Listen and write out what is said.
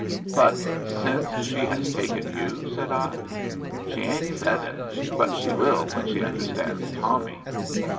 "But since she has taken you?" said I. "She ain't said it. But she will when she understands Tommy."